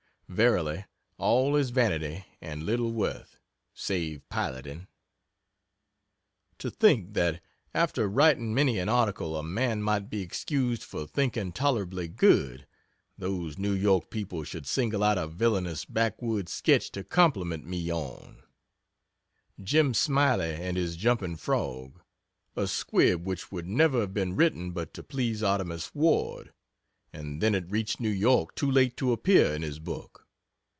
Verily, all is vanity and little worth save piloting. To think that, after writing many an article a man might be excused for thinking tolerably good, those New York people should single out a villainous backwoods sketch to compliment me on! "Jim Smiley and His Jumping Frog" a squib which would never have been written but to please Artemus Ward, and then it reached New York too late to appear in his book.